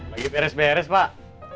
lagi beres beres pak